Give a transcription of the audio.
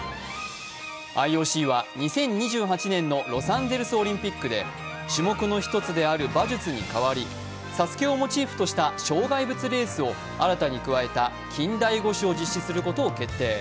ＩＯＣは２０２８年のロサンゼルスオリンピックで種目の一つである馬術に代わり、「ＳＡＳＵＫＥ」をモチーフとした障害物レースを新たに加えた近代五種を実施することを決定。